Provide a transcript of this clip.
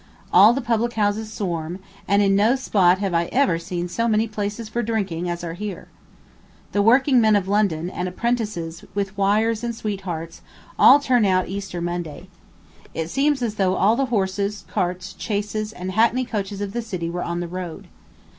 All the public houses swarm, and in no spot have I ever seen so many places for drinking as are here. The working men of London, and apprentices, with wires and sweethearts, all turn out Easter Monday. It seems as though all the horses, carts, chaises, and hackney coaches of the city were on the road.